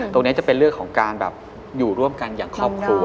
ตรงนี้จะเป็นเรื่องของการแบบอยู่ร่วมกันอย่างครอบครัว